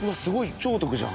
超お得じゃん。